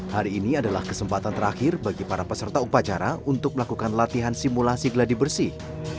hari ini adalah kesempatan terakhir bagi para peserta upacara untuk melakukan latihan simulasi gladi bersih